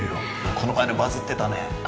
この前のバズってたねあ